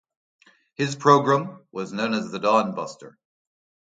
His program was known as the Dawn Buster.